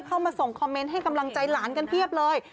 เข้ามาส่งคอมเมนต์ให้กำลังใจหลานกันเพียบเลย